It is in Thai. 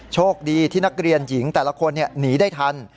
โชคดีที่นักเรียนหญิงแต่ละคนหนีได้ทัน